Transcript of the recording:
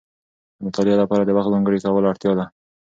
د مطالعې لپاره د وخت ځانګړی کولو اړتیا ده.